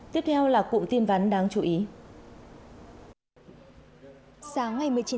tiếp theo là cụm tin vắn đáng chú ý